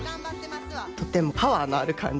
とてもパワーのある感じ。